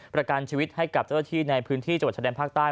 ประกันชีวิตให้กับเจ้าเจ้าที่ในพื้นที่จับแสดงภาคใต้